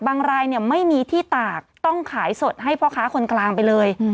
รายเนี่ยไม่มีที่ตากต้องขายสดให้พ่อค้าคนกลางไปเลย